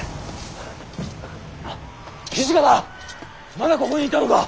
まだここにいたのか！